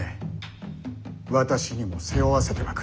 私にも背負わせてはくれぬか？